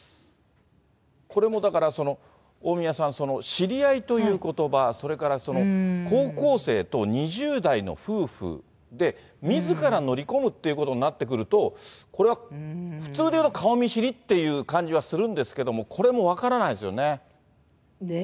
これもだからその、大宮さん、知り合いということば、それからその、高校生と２０代の夫婦、で、みずから乗り込むということになってくると、これは普通でいう顔見知りっていう感じはするんですけども、これも分からないですよね。